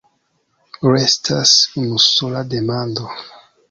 Restas unusola demando.